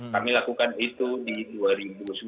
kami lakukan itu di dua ribu sembilan belas